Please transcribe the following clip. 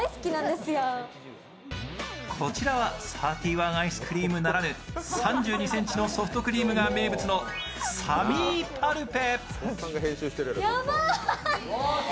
こちらは３１アイスクリームならぬ、３２ｃｍのソフトクリームが名物の３２パルペ。